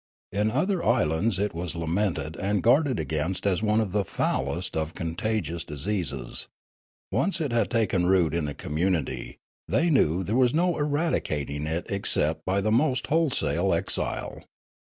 In other islands it was lamented and guarded against as one of the foulest of contagious dis eases ; once it had taken root in a community, thej^ knew there was no eradicating it except by the most wholesale exile.